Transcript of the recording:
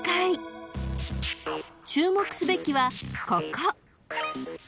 ［注目すべきはここ］